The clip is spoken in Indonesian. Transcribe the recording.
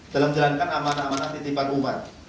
dalam menjalankan amanah amanah titipan umat